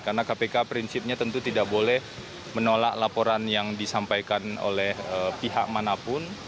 karena kpk prinsipnya tentu tidak boleh menolak laporan yang disampaikan oleh pihak manapun